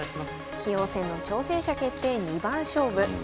棋王戦の挑戦者決定二番勝負。